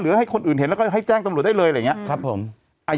ให้คนอื่นเห็นแล้วก็ให้แจ้งตำรวจได้เลยอะไรอย่างนี้ครับผม